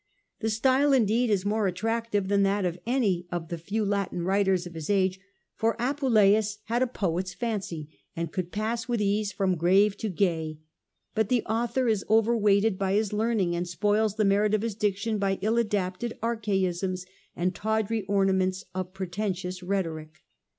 The style indeed is more attractive than that of any of the few Latin writers of his age, for Apuleius had a poet's fancy, and could pass with ease from grave to gay ; but the author is overweighted by his learning, and spoils the merit of his diction by ill adapted archaisms and tawdry ornaments of preten tious rhetoric.